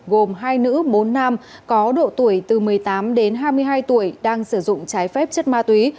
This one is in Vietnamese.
gồm hai nữ bốn nam có độ tuổi từ một mươi tám đến hai mươi hai tuổi đang sử dụng trái phép chất ma túy